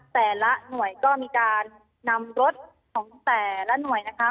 แต่ละหน่วยก็มีการนำรถของแต่ละหน่วยนะคะ